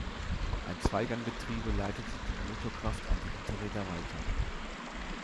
Ein Zweiganggetriebe leitete die Motorkraft an die Hinterräder weiter.